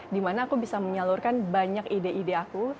dimana aku bisa menyalurkan banyak ide ide aku